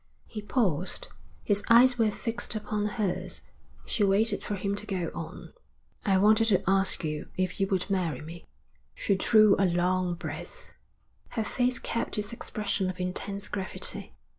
He paused. His eyes were fixed upon hers. She waited for him to go on. 'I wanted to ask you if you would marry me.' She drew a long breath. Her face kept its expression of intense gravity.